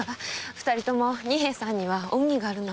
二人とも仁兵衛さんには恩義があるもの。